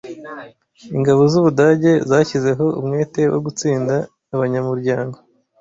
Ingabo z’Ubudage zashyizeho umwete wo gutsinda Abanyamuryango.